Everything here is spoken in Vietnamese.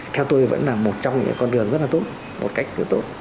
theo tôi vẫn là một trong những con đường rất là tốt một cách rất tốt